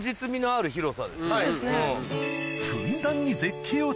そうですね。